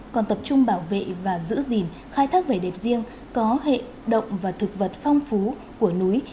còn tập trung bảo vệ và giữ gìn khai thác vẻ đẹp riêng có hệ động và thực vật phong phú của núi